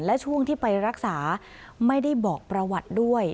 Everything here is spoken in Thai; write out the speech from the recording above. และช่วงที่ไปรักษาไม่ได้บอกประวัติด้วย